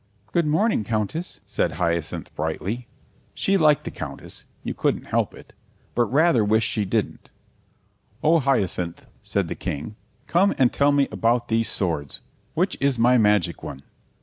"Good morning, Countess," said Hyacinth brightly. She liked the Countess (you couldn't help it), but rather wished she didn't. "Oh, Hyacinth," said the King, "come and tell me about these swords. Which is my magic one?"